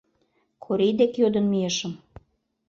Корий дек йодын мийышым.